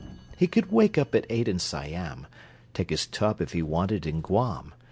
He could wake up at eight in Siam, Take his tub, if he wanted, in Guam.